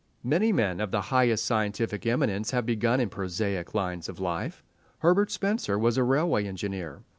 Many men of the highest scientific eminence have begun in prosaic lines of life. Herbert Spencer was a railway engineer.